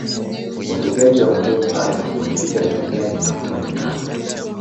Wategaji wa mabomu hayo walifika darajani na kufanya kazi